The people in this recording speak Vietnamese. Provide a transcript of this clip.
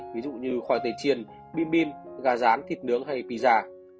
ví dụ như khoai tây chiên bim bim gà rán thịt nướng hay pisa